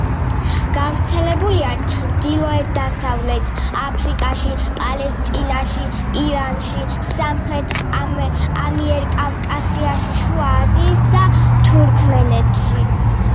გავრცელებულია ჩრდილოეთ-დასავლეთ აფრიკაში, პალესტინაში, ირანში, სამხრეთ ამიერკავკასიაში, შუა აზიისა და თურქმენეთში.